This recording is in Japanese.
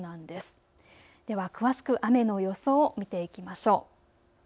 では詳しく雨の予想を見ていきましょう。